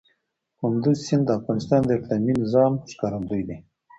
کندز سیند د افغانستان د اقلیمي نظام ښکارندوی دی.